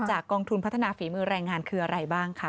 กองทุนพัฒนาฝีมือแรงงานคืออะไรบ้างคะ